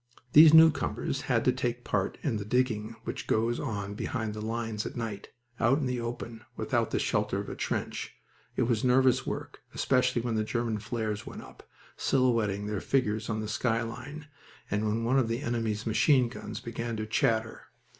These newcomers had to take part in the digging which goes on behind the lines at night out in the open, without the shelter of a trench. It was nervous work, especially when the German flares went up, silhouetting their figures on the sky line, and when one of the enemy's machine guns began to chatter.